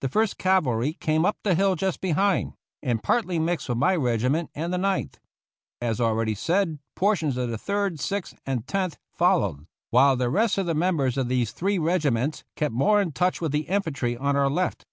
The First Cavalry came up the hill just behind, and partly mixed with my regiment and the Ninth. As already said, portions of the Third, Sixth, and Tenth followed, while the rest of the members of these three regiments kept more in touch with the infantry on our left.